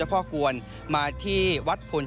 สวัสดีครับทุกคน